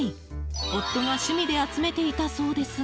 夫が趣味で集めていたそうですが。